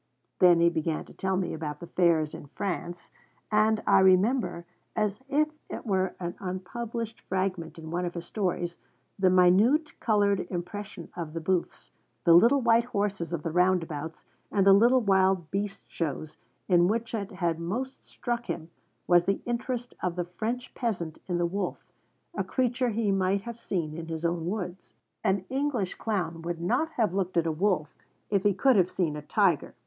Then he began to tell me about the fairs in France, and I remember, as if it were an unpublished fragment in one of his stories, the minute, coloured impression of the booths, the little white horses of the 'roundabouts,' and the little wild beast shows, in which what had most struck him was the interest of the French peasant in the wolf, a creature he might have seen in his own woods. 'An English clown would not have looked at a wolf if he could have seen a tiger.'